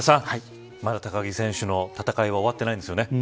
まだ高木選手の戦い終わってないですよね。